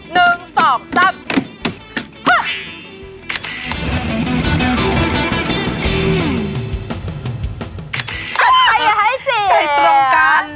ใครจะให้เสียใจตรงกัน